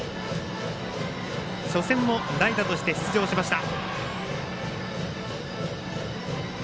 初戦も代打として出場しました。